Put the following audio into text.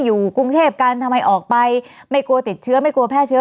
อยู่กรุงเทพกันทำไมออกไปไม่กลัวติดเชื้อไม่กลัวแพร่เชื้อ